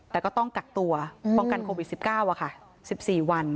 แต่ก็ต้องกักตัวป้องกันโควิด๑๙๑๔วัน